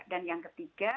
dan yang ketiga